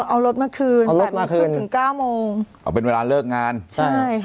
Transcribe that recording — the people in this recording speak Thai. เอารถมาคืนแปดมาคืนถึงเก้าโมงอ๋อเป็นเวลาเลิกงานใช่ค่ะ